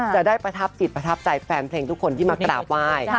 จะได้ประทับจิตประทับใจแฟนเพลงทุกคนที่มากราบไหว้